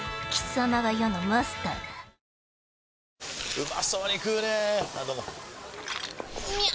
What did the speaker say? うまそうに食うねぇあどうもみゃう！！